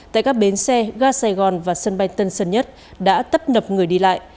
tại các bến xe ga sài gòn và sân bay tân sơn nhất đã tấp nập người đi lại